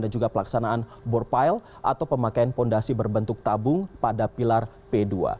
dan juga pelaksanaan bore pile atau pemakaian fondasi berbentuk tabung pada pilar p dua